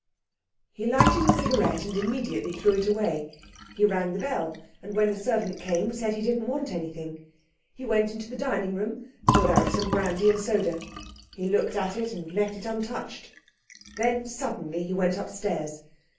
He lighted a cigarette and immediately threw it away. He rang the bell, and when the servant came, said he didn't want anything. He went into the dining room, poured out some brandy and soda. He looked at it and left it untouched. Then, suddenly, he went upstairs.